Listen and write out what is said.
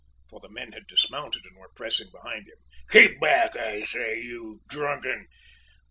(for the men had dismounted and were pressing behind him) "keep back, I say, you drunken